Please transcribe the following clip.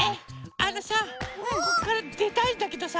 あのさこっからでたいんだけどさ